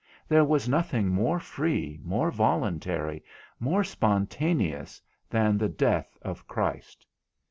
There was nothing more free, more voluntary, more spontaneous than the death of Christ.